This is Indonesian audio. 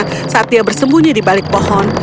dan saat dia bersembunyi di balik pohon